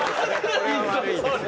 これは悪いですね。